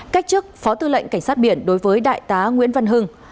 cách chức phó tư lệnh cảnh sát biển đối với đại tá nguyễn văn hưng